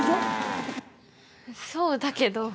そうだけど。